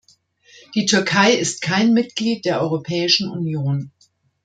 Die Türkei ist kein Mitglied der Europäischen Union.